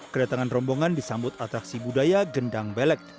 kedatangan rombongan disambut atraksi budaya gendang belek